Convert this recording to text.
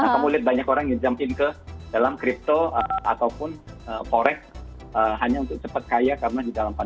kamu lihat banyak orang yang jumpin ke dalam kripto ataupun forex hanya untuk cepat kaya karena di dalam pandemi